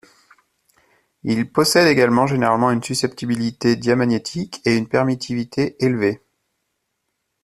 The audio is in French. Ils possèdent également généralement une suscpetibilité diamagnétique et une permittivité élevée.